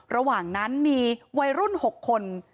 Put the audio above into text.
ระหว่างนั้นมีวัยรุ่น๖คน